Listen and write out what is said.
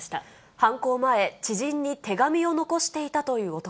犯行前、知人に手紙を残していたという男。